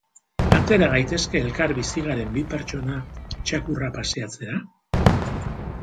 Atera gaitezke elkar bizi garen bi pertsona txakurra paseatzera?